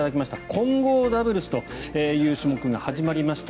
混合ダブルスという種目が始まりました。